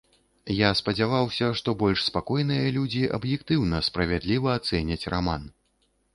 Я спадзяваўся, што больш спакойныя людзі аб'ектыўна, справядліва ацэняць раман.